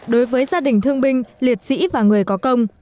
đối với gia đình thương binh liệt sĩ và người có công